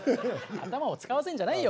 頭を使わせんじゃないよ